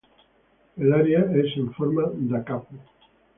El aria es en forma "da capo".